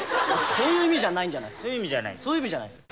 そういう意味じゃないんじゃないそういう意味じゃないそういう意味じゃないです